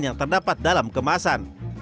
yang terdapat dalam kemasan